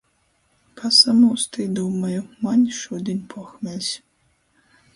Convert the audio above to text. Pasamūstu i dūmoju: - Maņ šudiņ pohmeļs...